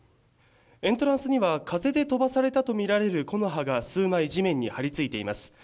エントランスには風で飛ばされたと見られる木の葉が数枚地面に張り付いています。